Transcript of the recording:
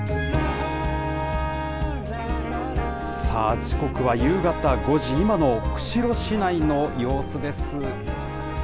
さあ、時刻は夕方５時、今の釧路市内の様子です。